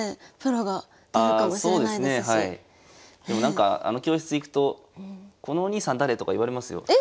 でもなんかあの教室行くとこのお兄さん誰？とか言われますよ。